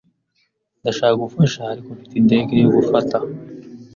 Ndashaka gufasha, ariko mfite indege yo gufata.